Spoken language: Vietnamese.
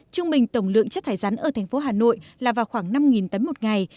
trung bình tổng lượng chất thải rắn ở thành phố hà nội là vào khoảng năm tấn một ngày